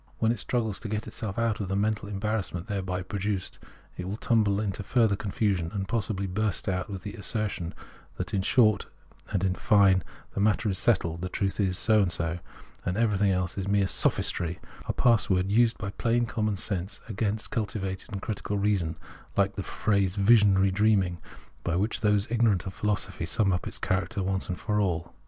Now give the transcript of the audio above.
When it struggles to get itself out of the mental embarrassment thereby produced, it will tumble into further confusion, and possibly burst out with the assertion that in short and in fine the matter is settled, the truth is so and so, and anything else is mere " sophistry "— a password used by plain common sense against cultivated critical reason, hke the phrase " visionary dreaming," by which those ignorant of philosophy sum up its character once for all.